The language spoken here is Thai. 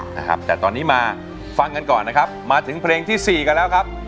นะครับแต่ตอนนี้มาฟังกันก่อนนะครับมาถึงเพลงที่สี่กันแล้วครับ